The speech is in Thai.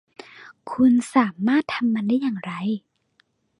คุณสามารถทำมันได้อย่างไร